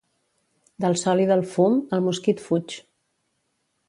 Del sol i del fum, el mosquit fuig.